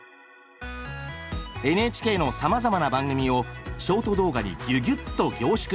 ＮＨＫのさまざまな番組をショート動画にギュギュっと凝縮！